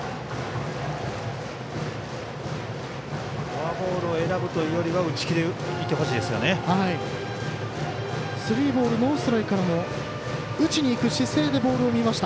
フォアボールを選ぶというよりかは打ち気でいてほしいです。